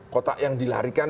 kotak yang dilarikan